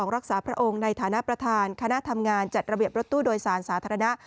รักษาพระองค์ในฐานะประธานคณะทำงานจัดระเบียบรถตู้โดยสารสาธารณะ